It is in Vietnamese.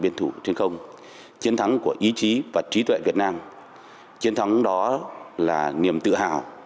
biên thủ trên không chiến thắng của ý chí và trí tuệ việt nam chiến thắng đó là niềm tự hào